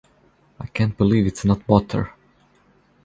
I Can't Believe It's Not Butter!